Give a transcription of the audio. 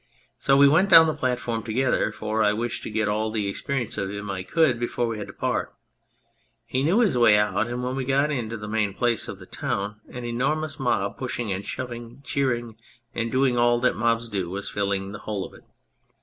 So we went down the platform together, for I wished to get all the experience of him I could before we had to part. He knew his way out, and when we got into the main place of the town an enormous mob, pushing and shoving, cheering and doing all that mobs do, was filling the whole of it.